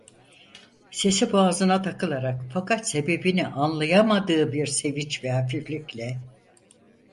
Sesi boğazına takılarak, fakat sebebini anlayamadığı bir sevinç ve hafiflikle: